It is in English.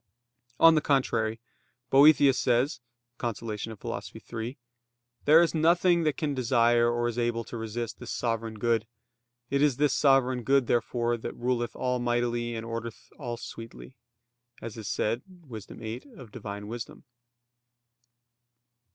On the contrary, Boethius says (De Consol. iii): "There is nothing that can desire or is able to resist this sovereign good. It is this sovereign good therefore that ruleth all mightily and ordereth all sweetly," as is said (Wis. 8) of Divine wisdom.